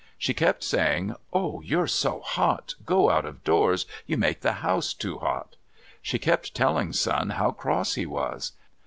She kept saying, "Oh, you're so hot! Go out of doors; you make the house too hot!" She kept telling Sun how cross he was.